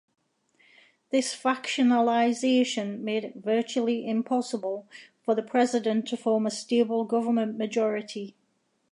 This factionalization made it virtually impossible for the president to form a stable government majority.